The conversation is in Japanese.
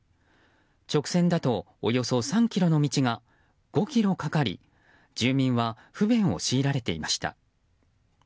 直線だと、およそ３ｋｍの道が５ｋｍかかり住民は不便を強いられていました。